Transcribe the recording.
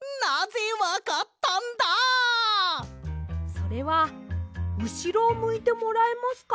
それはうしろをむいてもらえますか？